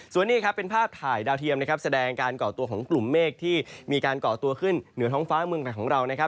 ส่วนนี้ครับเป็นภาพถ่ายดาวเทียมนะครับแสดงการก่อตัวของกลุ่มเมฆที่มีการก่อตัวขึ้นเหนือท้องฟ้าเมืองไทยของเรานะครับ